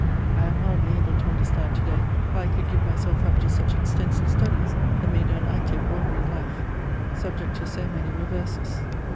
I am hardly able to understand to day how I could give myself up to such extensive studies amid an active wandering life, subject to so many reverses.